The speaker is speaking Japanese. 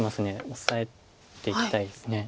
オサえていきたいです。